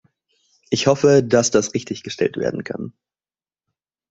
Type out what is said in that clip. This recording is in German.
Ich hoffe, dass das richtiggestellt werden kann.